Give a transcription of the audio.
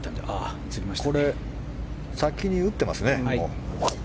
先に打ってますね。